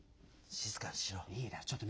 静かにしろ。